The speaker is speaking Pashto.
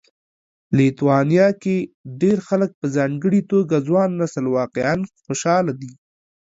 لیتوانیا کې ډېر خلک په ځانګړي توګه ځوان نسل واقعا خوشاله دي